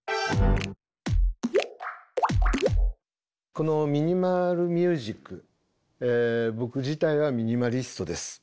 このミニマル・ミュージック僕自体はミニマリストです。